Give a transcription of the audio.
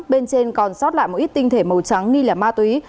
bên trên còn sót lại một ít tinh thể màu trắng nghi là ma túy